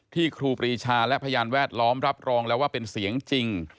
ครูปรีชาและพยานแวดล้อมรับรองแล้วว่าเป็นเสียงจริง